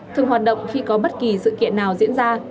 thường hoạt động khi có bất kỳ sự kiện nào diễn ra